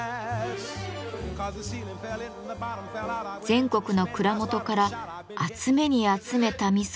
全国の蔵元から集めに集めた味噌